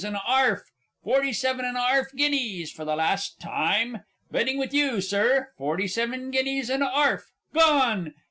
and a 'arf.... Forty seven and a 'arf guineas.... For the last time! Bidding with you, Sir. Forty seven guineas and a 'arf Gone!